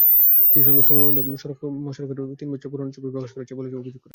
কিছুসংখ্যক গণমাধ্যম সড়ক-মহাসড়কের তিন বছরের পুরোনো ছবি প্রকাশ করছে বলে তিনি অভিযোগ করেন।